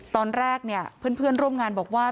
ตอนแรกเนี่ยเพื่อนร่วมงานบอกว่า